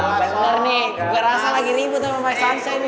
ntar sore nih gue rasa lagi ribut sama my sunshine